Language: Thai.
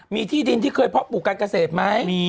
มีที่ดินที่เคยพบกันกระเสพไหม